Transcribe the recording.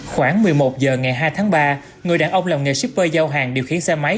khoảng một mươi một h ngày hai tháng ba người đàn ông làm nghề shipper giao hàng điều khiển xe máy